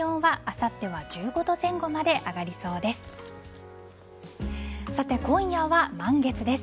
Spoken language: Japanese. さて、今夜は満月です。